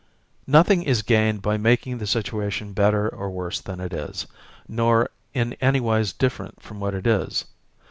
Nothing is gained by making the situation better or worse than it is, nor in anywise different from what it is.